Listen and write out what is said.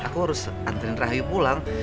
aku harus antri rahayu pulang